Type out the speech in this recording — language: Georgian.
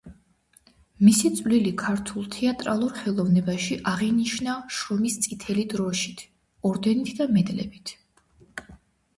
მისი წვლილი ქართულ თეატრალურ ხელოვნებაში აღინიშნა შრომის წითელი დროში ორდენით და მედლებით.